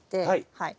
はい。